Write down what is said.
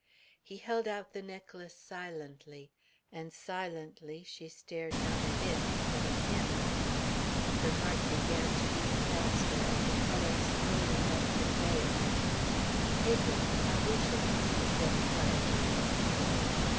He held out the necklace silently, and silently she stared not at it but at him. Her heart began to beat faster, and the colour slowly left her face. "Take it. I wish it," he said quietly.